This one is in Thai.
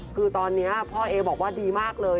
คือตอนนี้พ่อเอบอกว่าดีมากเลย